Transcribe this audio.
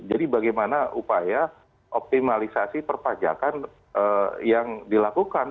jadi bagaimana upaya optimalisasi perpajakan yang dilakukan